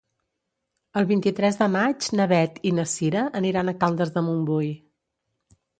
El vint-i-tres de maig na Beth i na Cira aniran a Caldes de Montbui.